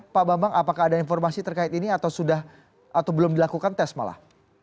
pak bambang apakah ada informasi terkait ini atau sudah atau belum dilakukan tes malah